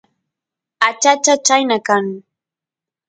achacha chayna kan